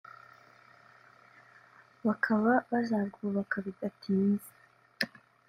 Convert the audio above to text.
bakaba bazarwubaka bidatinze